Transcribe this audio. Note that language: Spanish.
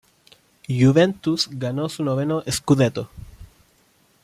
Juventus ganó su noveno "scudetto".